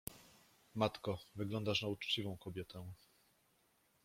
— Matko, wyglądasz na uczciwą kobietę.